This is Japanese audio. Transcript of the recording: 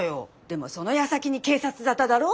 でもそのやさきに警察沙汰だろ？